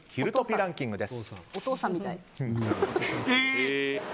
ランキングです。